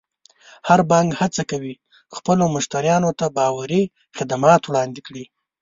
هر بانک هڅه کوي خپلو مشتریانو ته باوري خدمات وړاندې کړي.